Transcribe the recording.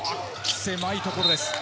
狭いところです。